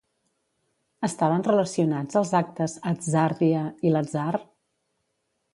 Estaven relacionats els actes Hatzàrdia i L'atzar?